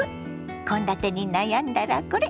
献立に悩んだらこれ！